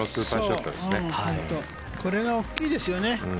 これが大きいですよね。